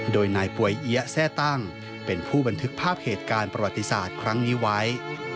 โดยนายป่วยเอี๊ยะแซ่ตั้งเป็นผู้บันทึกภาพเหตุการณ์ประวัติศาสตร์ครั้งนี้ไว้